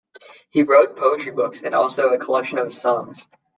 He wrote poetry books and also a collection of his songs.